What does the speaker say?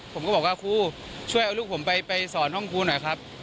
ผมก็บอกว่าครูช่วยเอาลูกผมไปสอนห้องครูหน่อยครับ